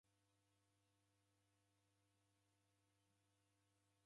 Ngua raredaa makongoki?